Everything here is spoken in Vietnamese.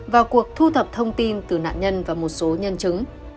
vào cuộc thu thập thông tin từ nạn nhân và một số nhân chứng